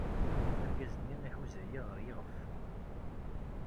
Argaz-nni iḥuza-iyi ɣer yiɣef.